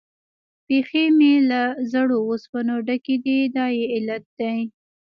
پښې مې له زړو اوسپنو ډکې دي، دا یې علت دی.